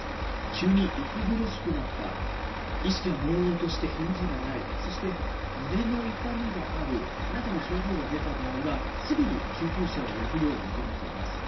急に息苦しくなった、意識がもうろうとして返事がない、そして胸の痛みがあるなどの症状が出た場合は、すぐに救急車を呼ぶよう求